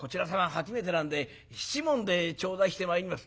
初めてなんで七文で頂戴してまいります」。